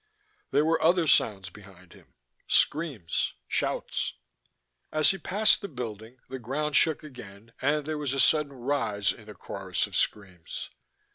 There were other sounds behind him, screams, shouts.... As he passed the Building the ground shook again and there was a sudden rise in the chorus of screams.